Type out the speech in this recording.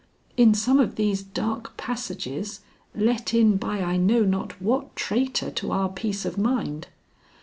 In some of these dark passages, let in by I know not what traitor to our peace of mind."